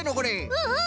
うんうん！